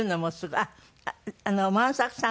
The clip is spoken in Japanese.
あっ万作さん